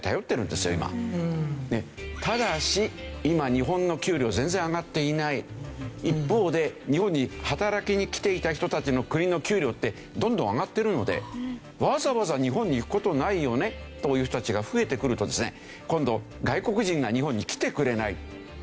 ただし今日本の給料全然上がっていない一方で日本に働きに来ていた人たちの国の給料ってどんどん上がってるので「わざわざ日本に行く事ないよね」という人たちが増えてくるとですね今度。